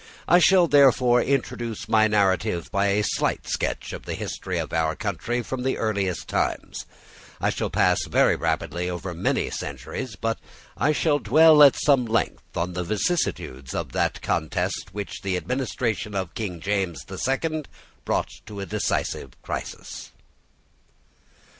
I shall therefore introduce my narrative by a slight sketch of the history of our country from the earliest times. I shall pass very rapidly over many centuries: but I shall dwell at some length on the vicissitudes of that contest which the administration of King James the Second brought to a decisive crisis.